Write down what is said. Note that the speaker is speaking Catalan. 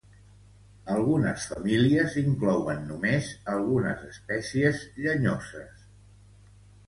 Algunes famílies inclouen només algunes espècies llenyoses.